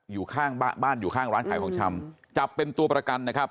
อยู่ข้างบ้านบ้านอยู่ข้างร้านขายของชำจับเป็นตัวประกันนะครับ